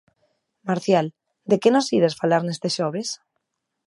Marcial, de que nos ides falar neste xoves?